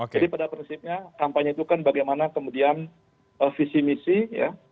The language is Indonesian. jadi pada prinsipnya kampanye itu kan bagaimana kemudian visi misi ya